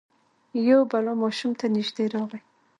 یو بلا ماشوم ته نژدې راغی.